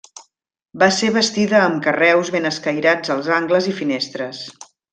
Va ser bastida amb carreus ben escairats als angles i finestres.